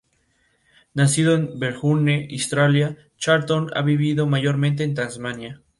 Nacido en Melbourne, Australia, Charlton ha vivido mayormente en Tasmania.